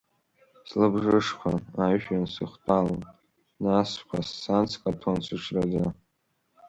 Слыбжышқәан ажәҩан сыхҭәалан, нас сқәассан скаҭәон, сыҽраӡа.